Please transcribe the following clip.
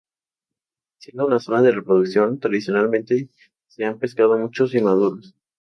Siendo una zona de reproducción, tradicionalmente se han pescado muchos inmaduros.